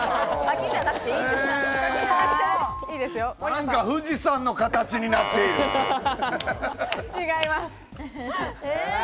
なんか富士山の形になってい違います。